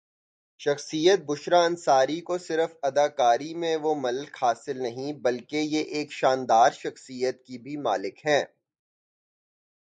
شخصیت بشریٰ انصاری کو سرف اداکاری میں وہ ملک حاصل نہیں بال کی یہ ایک شاندرشخصیات کی بھی ملک ہیں